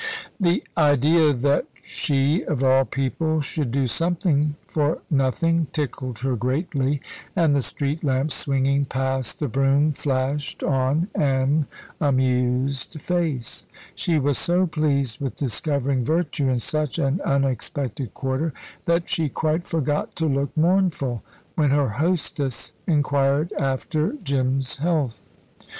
The idea that she, of all people, should do something for nothing, tickled her greatly, and the street lamps swinging past the brougham flashed on an amused face. She was so pleased with discovering virtue in such an unexpected quarter that she quite forgot to look mournful when her hostess inquired after Jim's health.